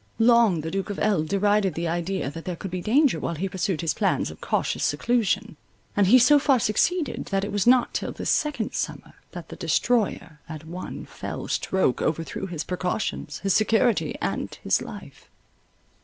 Long the Duke of L——derided the idea that there could be danger while he pursued his plans of cautious seclusion; and he so far succeeded, that it was not till this second summer, that the destroyer, at one fell stroke, overthrew his precautions, his security, and his life.